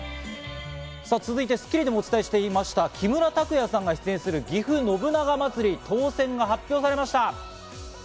さぁ続いて『スッキリ』でもお伝えしていました、木村拓哉さんが出演する、ぎふ信長まつり、当選が発表されました。